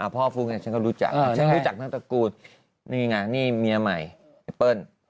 ฟุ๊กไงฉันก็รู้จักฉันรู้จักทั้งตระกูลนี่ไงนี่เมียใหม่ไอ้เปิ้ล